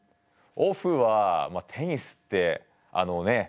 オフはまあテニスってあのねえ